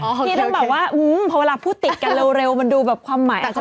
ที่ต้องแบบว่าพอเวลาพูดติดกันเร็วมันดูแบบความหมายอาจจะ